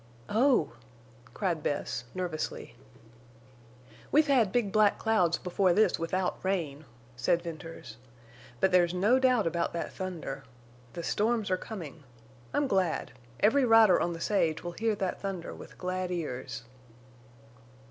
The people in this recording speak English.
"Oh!" cried Bess, nervously. "We've had big black clouds before this without rain," said Venters. "But there's no doubt about that thunder. The storms are coming. I'm glad. Every rider on the sage will hear that thunder with glad ears."